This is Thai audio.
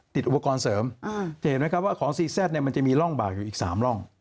อุปกรณ์เสริมจะเห็นไหมครับว่าของซีแซ่ดเนี่ยมันจะมีร่องบากอยู่อีก๓ร่อง